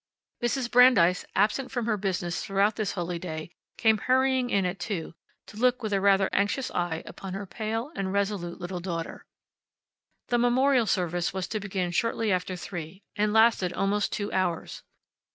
Mrs. Brandeis, absent from her business throughout this holy day, came hurrying in at two, to look with a rather anxious eye upon her pale and resolute little daughter. The memorial service was to begin shortly after three, and lasted almost two hours.